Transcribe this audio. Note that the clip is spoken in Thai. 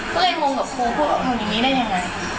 ก็เลยงงกับครูพูดว่าทำอย่างนี้ได้ยังไง